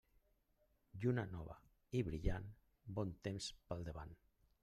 Lluna nova i brillant, bon temps pel davant.